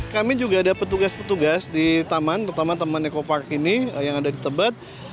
kami juga ada petugas petugas di taman terutama taman eco park ini yang ada di tebet